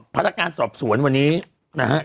พลัทการสอบสวนนี้นะฮะ